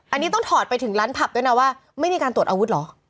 อันนี้ต้องถอดไปถึงร้านผับด้วยนะว่าไม่มีการตรวจอาวุธเหรอ